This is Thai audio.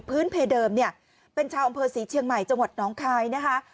เพเดิมเนี่ยเป็นชาวอำเภอศรีเชียงใหม่จังหวัดน้องคายนะคะ